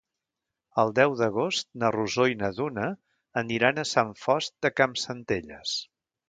El deu d'agost na Rosó i na Duna aniran a Sant Fost de Campsentelles.